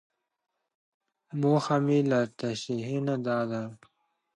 موخه مې له تشريحي نه دا ده.